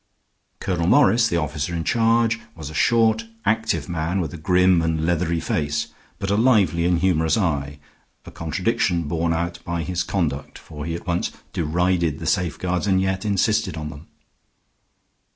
Colonel Morris, the officer in charge, was a short, active man with a grim and leathery face, but a lively and humorous eye a contradiction borne out by his conduct, for he at once derided the safeguards and yet insisted on them.